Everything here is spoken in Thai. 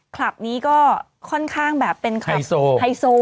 ลับนี้ก็ค่อนข้างแบบเป็นไฮโซไฮโซ